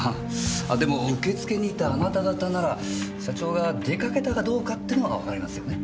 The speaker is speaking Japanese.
あでも受け付けにいたあなた方なら社長が出かけたかどうかってのはわかりますよね？